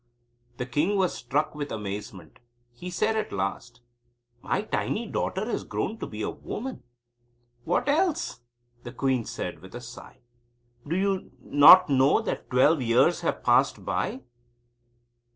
The king was struck with amazement. He said at last; "My tiny daughter has grown to be a woman." "What else?" the queen said with a sigh. "Do you not know that twelve years have passed by?"